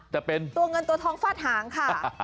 แต่เป็นตัวเงินตัวทองฟาดหางค่ะ